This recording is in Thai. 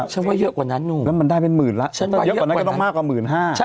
ฉันว่าเยอะกว่านั้นหนูฉันว่าเยอะกว่านั้นแล้วมันได้เป็นหมื่นละ